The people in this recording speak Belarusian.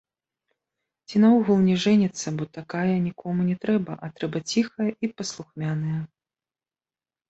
Ці наогул не жэніцца, бо такая нікому не трэба, а трэба ціхая і паслухмяная.